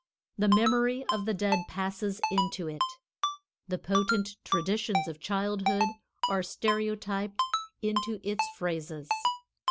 The memory of the dead passes into it. The potent traditions of childhood are stereotyped into its phrases.